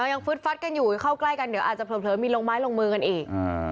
ฟึดฟัดกันอยู่เข้าใกล้กันเดี๋ยวอาจจะเผลอมีลงไม้ลงมือกันอีก